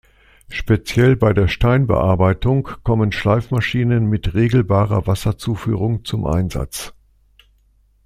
Speziell bei der Steinbearbeitung kommen Schleifmaschinen mit regelbarer Wasserzuführung zum Einsatz.